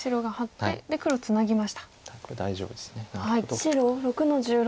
白６の十六。